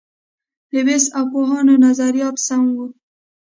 لویس او پوهانو نظریات سم وو.